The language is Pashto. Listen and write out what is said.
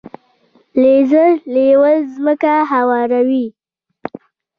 لیزر لیول ځمکه هواروي.